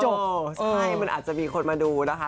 ใช่มันอาจจะมีคนมาดูนะคะ